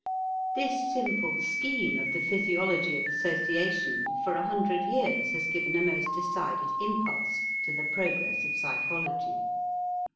This simple scheme of the physiology of association for a hundred years has given a most decided impulse to the progress of psychology.